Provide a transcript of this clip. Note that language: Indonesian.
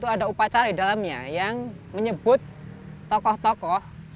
ada upacara di dalamnya yang menyebut tokoh tokoh